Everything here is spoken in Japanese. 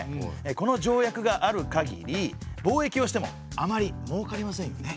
この条約がある限り貿易をしてもあまりもうかりませんよね。